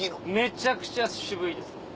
めちゃくちゃ渋いです。